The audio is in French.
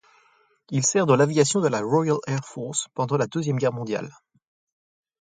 Il sert dans l’aviation de la Royal Air Force pendant la Deuxième Guerre mondiale.